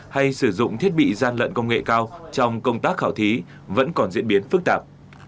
hay sử dụng thiết bị gian lận công nghệ cao trong công tác khảo thí vẫn còn diễn biến phức tạp